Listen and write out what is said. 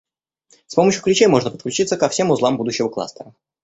С помощью ключей можно подключиться ко всем узлам будущего кластера